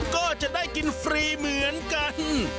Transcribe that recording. ก็จะได้กินฟรีเหมือนกัน